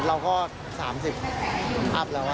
เราก็๓๐อัพแล้ว